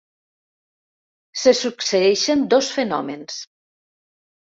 Se succeeixen dos fenòmens.